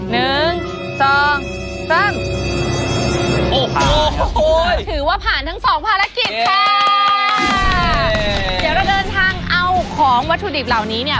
เดี๋ยวเราโอ้โหถือว่าผ่านทั้งสองภารกิจค่ะเดี๋ยวเราเดินทางเอาของวัตถุดิบเหล่านี้เนี่ย